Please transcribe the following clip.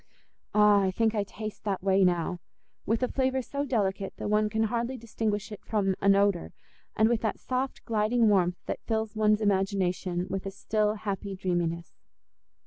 Ah! I think I taste that whey now—with a flavour so delicate that one can hardly distinguish it from an odour, and with that soft gliding warmth that fills one's imagination with a still, happy dreaminess.